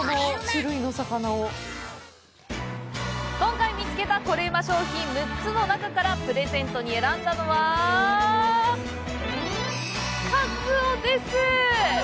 今回見つけたコレうま商品６つの中からプレゼントに選んだのはカツオです！